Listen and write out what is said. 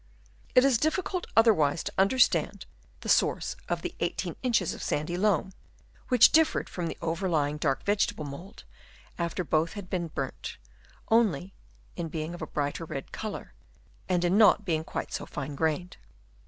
It is difficult otherwise to understand the source of the 18 inches of sandy loam, which differed from the overlying dark vegetable mould, after both had been burnt, only in being of a brighter red colour, and in uot being quite so fine grained.